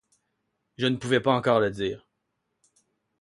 Je ne pouvais encore le dire.